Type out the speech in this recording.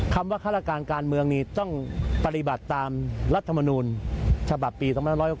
คำว่าฆาตการการเมืองนี้ต้องปฏิบัติตามรัฐมนูลฉบับปี๒๖๖